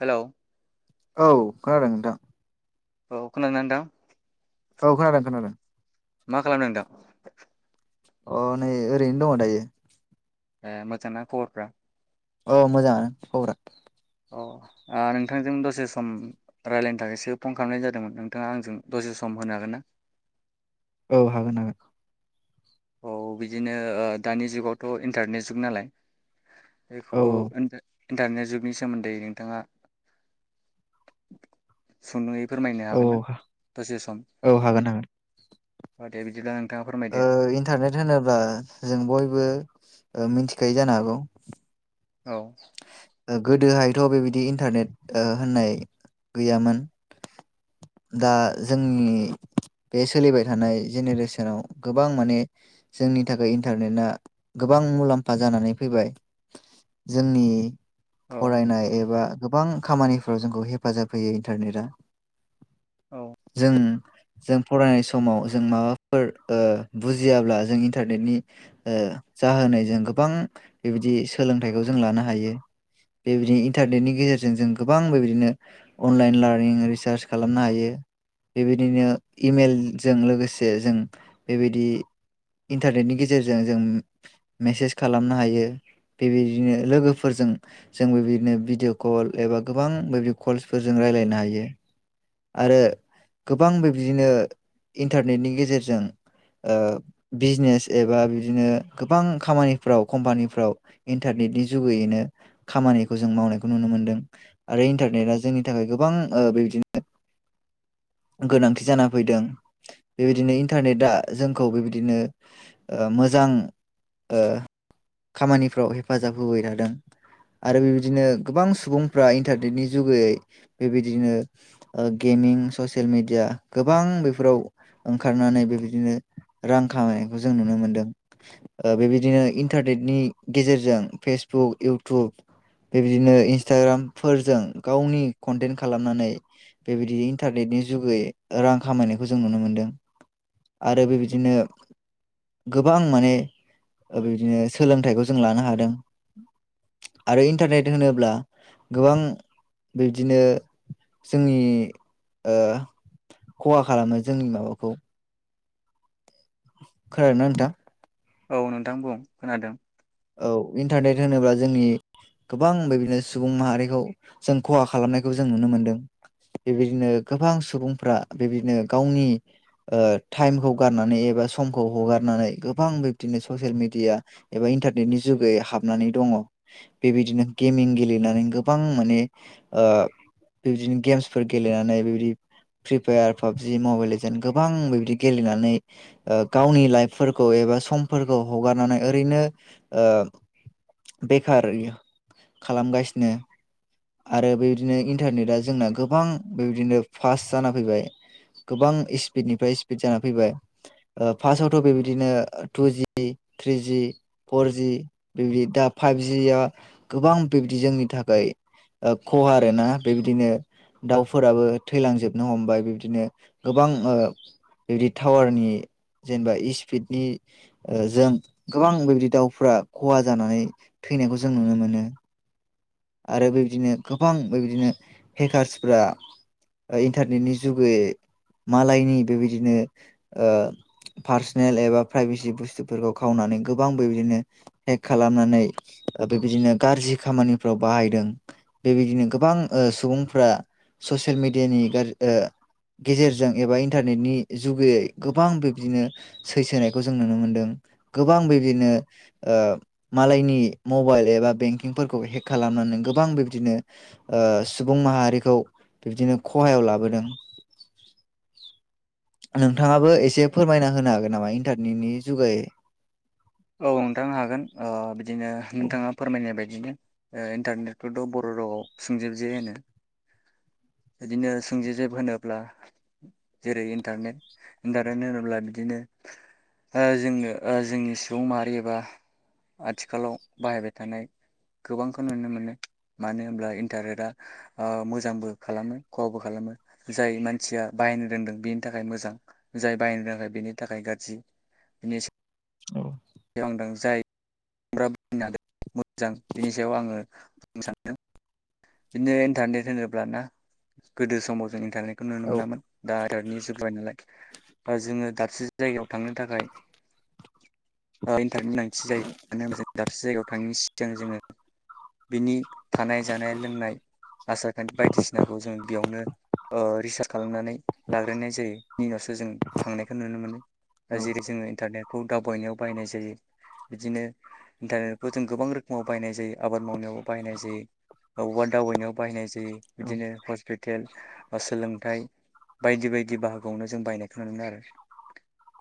Hello औ खोनादों नोंथां औ खोनादोंना नोंथां औ खोनादों खोनादों मा खालामदों नोंथां अ नै ओरैनो दङ दायो ए मोजांना खबरफ्रा औ मोजां खबरा अ ओ नोंथांजों दसे सम रायज्लायनो थाखायसो फन खालामनाय जादोंमोन नोंथाङा आंजों दसे सम होनो हागोन ना औ हागोन हागोन औ बिदिनो ओ दानि जुगावथ' इन्टारनेट जुग नालाय औ [unintelligible] इन्टारनेट जुगनि सोमोन्दै नोंथाङा सुंद'यै फोरमायनो औ हागोन ना दसे सम औ हागोन हागोन [unintelligible] थाङा फोरमायदो ओ इन्टारनेट होनोब्ला जों बयबो मिथिखायो जानो हागौ औ गोदोहायथ' बेबायदि इन्टारनेट होननाय गैयामोन दा जोंनि बे सोलिबाय थानाय जेनेरेसनाव गोबां माने जोंनि थाखाय इन्टारनेटआ गोबां मुलाम्फा जानानै फैबाय जोंनि औ फरायनाय एबा गोबां खामानिफोराव जोंखौ हेफाजाब होयो इन्टारनेटआ औ जों जों फरायनाय समाव जों माबाफोर ओ बुजियाब्ला जों इन्टारनेटनि ओ जाहोनै जों गोबां बेबायदि सोलोंथाइखौ जों लानो हायो बेबायदिनो इन्टारनेटनि गेजेरजों जों गोबां बेबायदिनो अनलाइन लार्निं रिसार्च खालामनो हायो बेबायदिनो इमेलजों लोगोसे जों बेबायदि इन्टारनेटनि गेजेरजों जों मेसेज खालामनो हायो बेबायदि बिदिनो लोगोफोरजों जोंबो बिदिनो भिडिअअ कल एबा गोबां बि कलसफोरजों रायज्लायनो हायो आरो गोबांबो बेबायदिनो इन्टारनेटनि गेजेरजों ओ बिजनेस एबा बिदिनो गोबां खामानिफ्राव कम्पानिफ्राव इन इन्टारनेटनि जुगैयैनो खामानिखौ जों मावनायखौ नुनो मोनदों आरो इन्टारनेटआ जोंनि थाखाय गोबां ओ बेबायदिनो गोनांथि जाना फैदों बेबायदिनो इन्टारनेटआ जोंखौ बेबायदिनो ओ मोजां ओ खामानिफ्राव हेफा हेफाजाब होबाय थादों आरो बेबायदिनो गोबां सुबुंफ्रा इन्टारनेटनि जुगैयै बेबायदिनो गेमिं ससियेल मेडिया गोबां बेफोराव ओंखारनानै बेबायदिनो रां खामायनायखौ जों नुनो मोनदों ओ बेबायदिनो इन्टारनेटनि गेजेरजों जों फेसबुक इउटुब बेबायदिनो इन्सटाग्राम फोरजों गावनि कनटेन्ट खालामनानै बेबायदि इन्टारनेटनि जुगै रां खामायनायखौ जों नुनो मोनदों आरो बेबायदिनो गोबां माने बेदिनो सोलोंथाइखौ जों लानो हायो आरो इन्टारनेट होनोब्ला गोबां बिब्दिनो जोंनि ओ खहा खालामो जोंनि माबाखौ खोनादोंना नोंथां औ नोंथां बुं खोनादों औ इन्टारनेट होनोब्ला जोंनि गोबां बेबादिनो सुबुं माहारिखौ जों खहा खालामनायखौ जों नुनो मोनदों बेबायदिनो गोबां सुबुंफ्रा बेबायदिनो गावनि ओ टाइमखौ गारनानै एबा समखौ हगारनानै गोबां बिब्दिनो ससियेल मिडिया एबा इन्टारनेट नि जुगै हाबनानै दङ बेबायदिनो गेमिं गेलेनानै गोबां माने ओ बेबायदिनो गेम्सफोर गेलेनानै बेबायदि फ्रि फायार पाबजि मबाइल लजन् गोबां बेबदि गेलेनानै गावनि ओ लाइफफोरखौ एबा समफोरखौ हगारनानै ओरैनो ओ बेखार खालामगासिनो आरो बेबायदिनो इन्टारनेटआ जोंना गोबां बेबायदिनो फास्ट जाना फैबाय गोबां स्पिडनिफ्राय स्पिड जाना फैबाय ओ फास्स्टआवथ' बेबायदिनो टुजि थ्रिजि फरजि बेबदि दा फाइबजिया गोबां बिबदि जोंनि थाखाय ओ खहा आरोना बेबदिनो दाउफोराबो थैलांजोबनो हमबाय बिबदिनो गोबांओ बिबदि टावारनि जेनेबा स्पिडनि जों गोबां बिबायदि दाउफोरा खहा जानानै थैनायखौ जों नुनो मोनो आरो बेबायदिनो गोबां बेबायदिनो हेकार्सफोरा इन्टारनेटनि जुगैै मालायनि बेबायदिनो ओ पार्सनेल एबा प्राइभेसि बुस्थुफोरखौ खावनानै गोबां बेबायदिनो हेक खालामनानै बेबायदिनो गाज्रि खामानि फ्राव बाहायदों बेबायदिनो गोबां ओ सुबुंफ्रा ससियेल मेडियानि गा ओ गेजेरजों एबा इन्टारनेटनि जुगैयै गोबां बिब्दिनो सैसोनायखौ जों नुनो मोनदों गोबां बिब्दिनो ओ मालायनि मबाइल एबा बेंकिंफोरखौ हेक खालामनानै गोबां बिब्दिनो ओ सुबुं माहारिखौ बिब्दिनो खहायाव लाबोदों नोंथाङाबो एसे फोरमायना होनो हागोन नामा इन्टारनेटनि जुगायै औ नोंथां हागोन ओ बिदि बिदिनो औ नोंथाङा फोरमायनाय बायदि बिदिनो ओ इन्टारनेटखौथ' बर' रावआव सुंजोब जे होनो बिदिनो सुंजोजेब होनोब्ला जेरै इन्टारनेट इन्टारनेट होनोब्ला बिदिनो ओ जोंनो ओ जोंनि सुबुं माहारि एबा आथिखालाव बाहायबाय थानाय गोबांखौ नुनो मोनो मानो होनब्ला इन्टारनेटआ ओ मोजांबो खालामो खहाबबो खालामो जाय मानसिया बाहायनो रोंदों बेनि थाखाय मोजां जाय बाहायनो रोङाखै बेनि थाखाय गाज्रि बेनि औ दों जाय [unintelligible] हादों मोजां बिनि सायाव आङो बुंनो सानदों। बिदिनो इन्टारनेट होनोब्लाना गोदो समाव जों इन्टारनेटखौ नुनो औ मोनामोन दा इन्टारनेटनि जुग जाबाय नालाय। जोङो दाबसे जायगायाव थांनो थाखाय थांनो गोनांथि जायो मानो होनब्ला जों दाबसे जायगायाव थांनायनि सिगां जोङो बिनि थानाय जानाय लोंनाय आसार खान्थि बायदिसिनाखौ जों बेयावनो ओ रिसार्च खालामनानै लाग्रोनाय जायो नि उनावसो जों थांनायखौ नुनो मोनो औ दा जेरै जोङो इन्टारनेटखौ दावबायनायाव बाहायनाय जायो। बिदिनो इन्टारनेटफोर जों गोबां रोखोमाव बाहायनाय जायो आबाद मावनायाव बाहायनाय जायो। बबेबा दावबायनायाव बाहायनाय जायो। बिदिनो हस्पिटेल बा सोलोंथाइ बायदि बायदि बाहागोआवनो जों बायनायखौ नुनो मोनो आरो।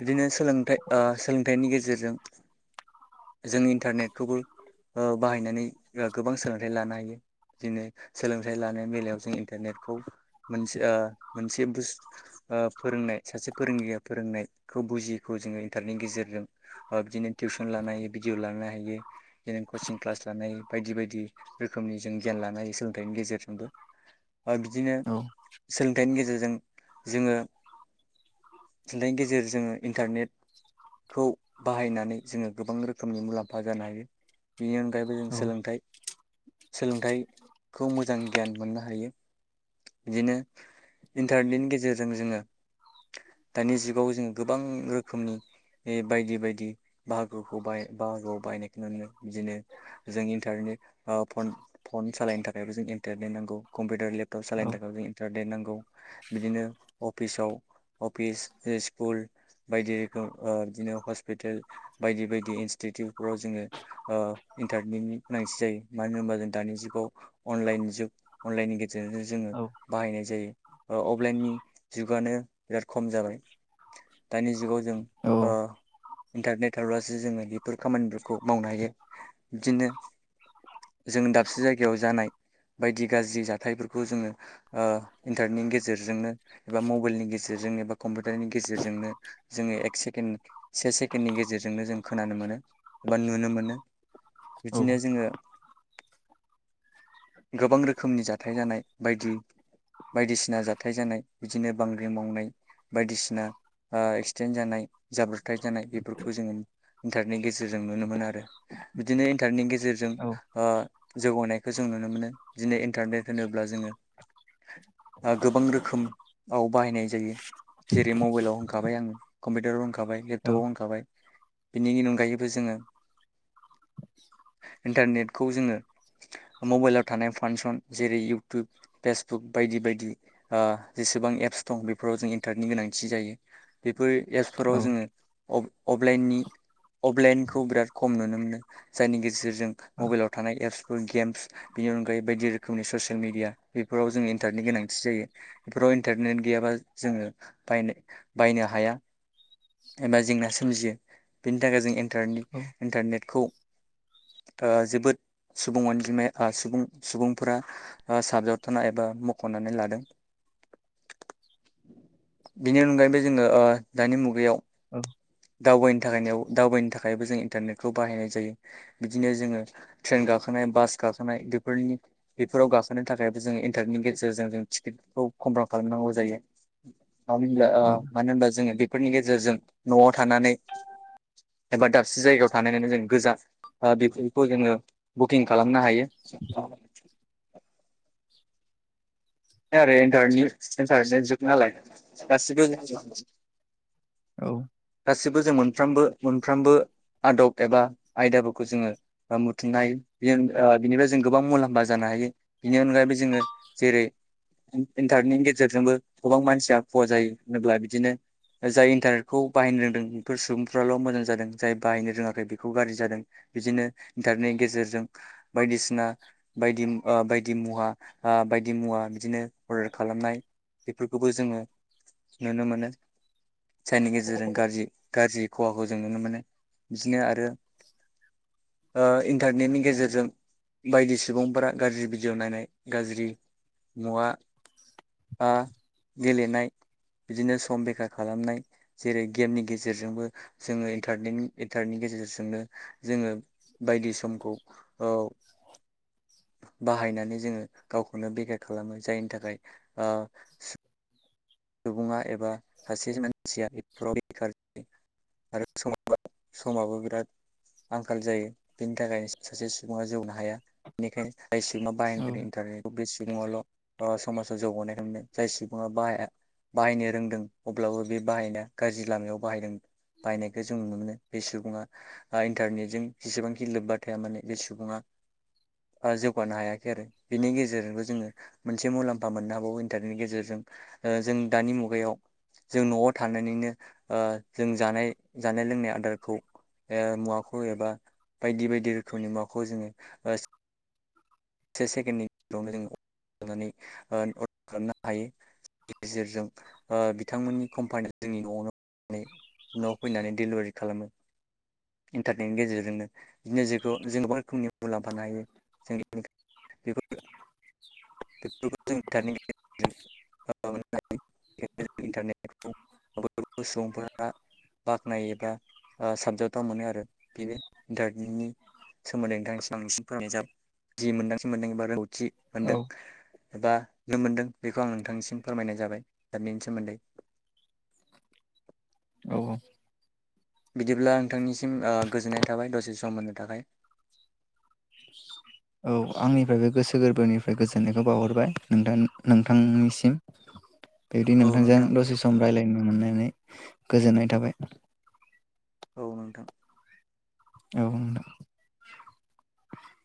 बिदिनो सो सोलोंथाइ ओ सोलोंथाइनि गेजेर गेजेरजों जों इन्टारनेटखौबो ओ बाहायनानै गोबां सोलोंथाइ लानो हायो। बिदिनो सोलोंथाइ लानाय बेलायाव जों इन्टारनेटखौ मोनसे ओ मोनसे बुस ओ फोरोंनाय सासे फोरोंगिरिया फोरोंनायखौ बुजियखौ जोङो इन्टारनेटनि गेजेरजों ओ बिदिनो टिउसन लानो हायो भिडिअ लानो हायो बिदिनो कचिं क्लास लानो हायो बायदि बायदि रोखोम जों गियान लानो हायो सोलोंथाइनि गेजेरजोंबो ओ बिदिनो औ सोलोंथाइनि गेजेरजों जोङो थुनलाइनि गेजेर जोङो इन्टारनेट खौ बाहायनानै जोङो गोबां रोखोमनि मुलाम्फा जानो हायो बेनि अनगायैबो जों औ सोलोंथाइ सोलोंथाइखौ मोजां गियान मोननो हायो बिदिनो इन्टारनेटनि गेजेरजों जोङो दानि जुगाव जोङो गोबां रोखोमनि बायदि बायदि बाहागोखौ बाय बाहागोआव बायनायखौ नुनो बिदिनो जों इन्टारनेट ओ फन फन सालायनो थाखायबो जों इन्टारनेट नांगौ कम्पिउटार लेपटप सालायनो थाखाय जों इन्टारनेट नांगौ। बिदिनो अफिसाव अफिस स्कुल बायदि रोखोम ओ बिदिनो हस्पिटेल बायदि बायदि इनस्टिटिउटफोराव जोङो इन्टारनेटनि गोनांथि जायो मानो होनबा जों दानि जुगाव अनलाइ जुग अनलाइननि गे जेरजों जोङो औ बाहायनाय जायो। ओ अफलाइननि जुगानो बिराद खम जाबाय दानि जुगाव जों औ ओ इन्टारनेट थाबब्लासो जोङो बेफोर खामानिफोरखौ मावनो हायो बिदिनो जों दा बसे जायगायाव जानाय बायदि गाज्रि जाथायफोरखौ जोङो ओ इन्टारनेटनि गेजेरजोंनो एबा मबाइलनि गेजेरजोंनो एबा कम्पिउटारनि गेजेरजोंनो जोङो एक सेकेणड से सेकेणडनि गेजेरजोंनो जों खोनानो मोनो एबा नुनो मोनो। बिदिनो जोङो गोबां रोखोमनि जाथाय जानाय बायदि बायदिसिना जाथाय जानाय बिदिनो बांग्रि मावनाय बायदिसिना एक्सिडेन्ट जानाय जाब्रबथाय जानाय बेफोरखौ जोङो इन्टारनेटनि गेजेरजों नुनो मोनो आरो बिदिनो इन्टारनेटनि गेजेरजों ओ जौगानायखौ जों नुनो मोनो बिदिनो इन्टारनेट होनोब्ला जोङो गोबां रोखोमाव बाहायनाय जायो जेरै मबाइलाव होनखाबाय आङो कम्पिउटाराव होनखाबाय लेपटपाव होनखाबाय बिनिनि अनगायैबो जोङो इन्टारनेटखौ जोङो मोबाइलाव थानाय फांसन जेरै इउटुब फेसबुक बायदि बायदि जेसेबां एप्स दं बेफोराव जों इन्टारटनि गोनांथि जायो। बेफोर एपसफोराव जोङो अप-अफलाइननि अफलाइनखौ बिराद खम नुनो मोनो जायनि गेजेरजों मोबाइलाव थानाय एप्स एपस बिनि अनगायै बायदि रोखोमनि ससियेल मिडिया बेफोराव जों इन्टारनेटनि गोनांथि जायो बेफोराव इन्टारनेट गैयाबा जोङो बायनो बायनो हाया एबा जेंना सोमजियो बेनि थाखाय जों इन्टारनि इन्टारनेटखौ ओ जोबोद सुबुं अनजिमाया ओ सुबुं सुबुंफोरा ओ साबजावथाना एबा मख'नानै लादों। बिनि अनगायैबो जोङो ओ दानि मुगायाव दावबायनो नि थाखाय दावबायनो थाखायबो जों इन्टारनेटखौ बाहायनाय जायो बिदिनो जोङो ट्रेन गाखोनाय बास गाखोनाय बेफोरनि बेफोराव गाखोनो थाखायबो जो इन्टारनेटनि गेजेरजों जों टिकेटखौ कनफार्म खालामनांगौ जायो। मानो होनब्ला औ ओ मानो होनब्ला जोङो। फोरनि गेजेरजों न'आव थानानै एबा दाबसे जायगायाव थानानै जों गोजा बेफोरखौ जोङो बुकिं खालामनो हायो। [inaudible] आरो इन्टारनि इन्टारनेट जुग नालाय गासिबो गासिबो जों मोनफ्रोमबो मोनफ्रोमबो आदब एबा आयदाफोरखौ जोङो बुथुमनो हायो ओ बिनिफ्राय जों गोबां मुलाम्फा जानो हायो बिनि अनगायैबो जोङो जेरै इन्टारनेटनि गेजेरजोंबो गोबां मानसिया खहा जायो होनोब्ला बिदिनो जाय इन्टारनेटखौ बाहायनो रोंदों बेफोर सुबुंफ्राल' मोजां जादों जाय बाहायनो रोङाखै बेखौ गाज्रि जादों बिदिनो इन्टारनेटनि गेजेरजों बायदिसिना बायदि ओ बाय दि मुवा ओ बायदि मुवा बिदिनो अर्डार खालामनाय बेफोरखौबो जोङो नुनो मोनो। जायनि गेजेरजों गाज्रि गाज्रि खहाखौ जों नुनो मोनो बिदिनो आरो ओ इन्टारनेटनि गेजेरजों बायदि सुबुंफोरा गाज्रि भिडिय' नायनाय गाज्रि मुवा आ गेलेनाय बिदिनो सम बेखार खालामनाय जेरै गेमनि गेजेरजोंबो जोङो इन्टारने इन्टारनेटनि गेजेरजोंनो जोङो बायदि समखौ औ बाहायनानै जोङो गावखौनो बेखार खालामो जायनि थाखाय ओ सुबुङा एबा सासे मानसिया बेफोराव बेखार जायो आरो सम समाबो बिराद आंखाल जायो बेनि थाखायनो सासे सुबुङा जौनो हाया। बेनिखायनो जाय सुबुङा बाहाय [unintelligible] इन्टारनेखौ बे सुबुङाल' समाजाव ओ जौगानायखौ मोनो जाय सुबुङा बाहाया। बाहायनो रोंदों अब्लाबो बे बाहायनाया गाज्रि लामायाव बाहायदों। बायनायखौ जों नुनो मोनो। बे सुबुङा इन्टारनेटजों जेसेबांखि लोब्बा थाया माने बे सुबुङा जौगानो हायाखै आरो बेनि गेजेरजोंबो जोङो मोनसे मुलाम्फा मोननो हाबावो इन्टारनेटनि गेजेरजों जों दानि मुगायाव जों न'आव थानानैनो ओ जों जानाय जानाय लोंनाय आदारखौ मुवाखौ एबा बायदि बायदि रोखोमनि मुवाखौ जोङो ओ से सेकेणडनि गेजावनो जों अर्डार खालामनो ओ हायोनि गेजेरजों ओ बिथांमोननि कम्पानिया जोंनि न'आवनो न'आव फैनानै डेलिभारि खालामो इन्टारनेटनि गेजेरजोंनो बिदिनो जेखौ जों गोबां रोखोमनि मुलामफानो हायो जों। [unintelligible] बेफोर [inaudible] बेफोरखौ जों इन्टारनेट नि जेरजों [unintelligible] सुबुंफोरा बाख्नायोब्ला साबजाबथाव मोनो आरो बे इन्टारनेटनि सोमोन्दै नोंथांसिम फोरमनायाब जाबाय जि मोन्दांथि मोनदों एबा‌ रोंगौथि खि मोन्दों। औ एबा नुनो मोनदों बेखौ आं नोंथांनिसिम फोरमायनाय जाबाय दा बेनि सोमोन्दै औ बिदिब्ला नोंथांनिसिम ओ गोजोन्नाय थाबाय दसे सम होनो थाखाय औ आंनिफ्राय बे गोसो गोरबोनिफ्राय गोजोननायखौ बावहरबाय नोंथां नोंथांनिसिम बिदि औ नोंथांजों नोंथां दसे सम रायज्लायनो मोननानै गोजोननाय थाबाय औ नोंथां औ